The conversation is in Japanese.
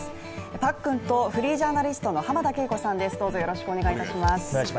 パックンとフリージャーナリストの浜田敬子さんです。